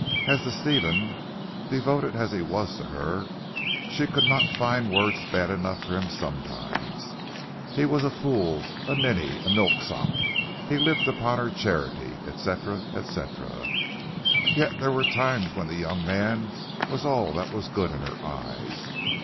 As to Stephen, devoted as he was to her, she could not find words bad enough for him sometimes. He was a fool, a ninny, a milksop, he lived upon her charity, etc., etc. Yet there were times when the young man was all that was good in her eyes.